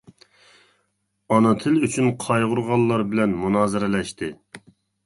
ئانا تىل ئۈچۈن قايغۇرغانلار بىلەن مۇنازىرىلەشتى.